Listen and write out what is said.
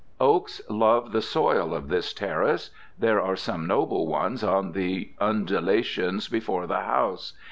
Oaks love the soil of this terrace. There are some noble ones on the undulations before the house.